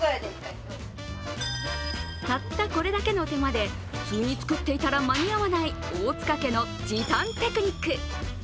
たったこれだけの手間で普通に作っていたら間に合わない大塚家の時短テクニック。